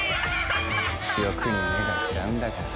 欲に目がくらんだか。